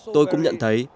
tôi cũng nhận thấy